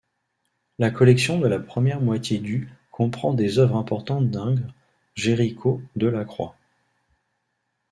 La collection de la première moitié du comprend des œuvres importantes d'Ingres, Géricault, Delacroix.